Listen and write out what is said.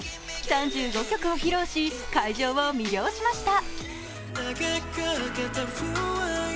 ３５曲を披露し、会場を魅了しました